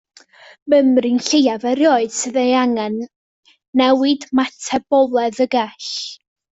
Mymryn lleiaf erioed sydd ei angen i newid metaboledd y gell.